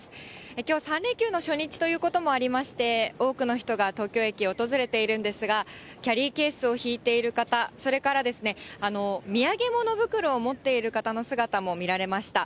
きょう、３連休の初日ということもありまして、多くの人が東京駅を訪れているんですが、キャリーケースを引いている方、それから、土産物袋を持っている方の姿も見られました。